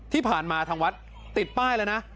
ที่ผ่านมาทางวัดติดป้ายแล้วนะ